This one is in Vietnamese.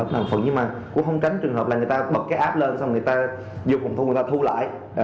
nhưng mà cũng không tránh trường hợp là người ta bật cái app lên xong người ta dùng phần thu người ta thu lại